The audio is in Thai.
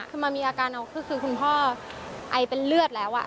คือมันมีอาการเอาคือคุณพ่อไอเป็นเลือดแล้ว